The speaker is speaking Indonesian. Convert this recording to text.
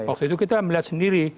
waktu itu kita melihat sendiri